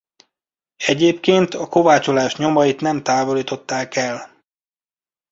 Egyébként a kovácsolás nyomait nem távolították el.